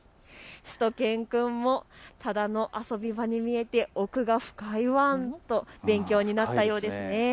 しゅと犬くんもただの遊び場に見えて奥が深いワンと勉強になったようです。